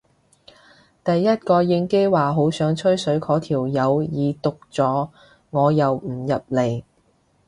第一個應機話好想吹水嗰條友已讀咗我又唔入嚟